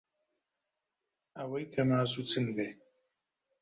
ئەوەی کە مازوو چن بێ